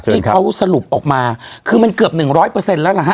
นี่เขาสรุปออกมาคือมันเกือบ๑๐๐แล้วล่ะครับ